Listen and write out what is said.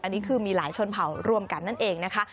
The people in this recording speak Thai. อันนี้คือมีหลายชนเผ่ารวมกันนั่นเองนะคะ